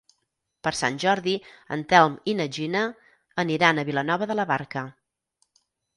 Per Sant Jordi en Telm i na Gina aniran a Vilanova de la Barca.